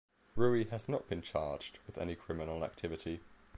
Ruiz has not been charged with any criminal activity.